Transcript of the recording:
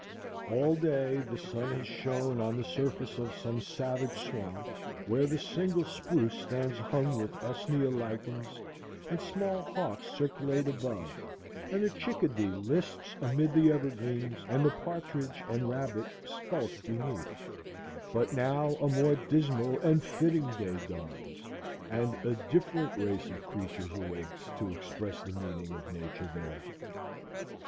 All day the sun has shone on the surface of some savage swamp, where the single spruce stands hung with usnea lichens, and small hawks circulate above, and the chickadee lisps amid the evergreens, and the partridge and rabbit skulk beneath; but now a more dismal and fitting day dawns, and a different race of creatures awakes to express the meaning of Nature there.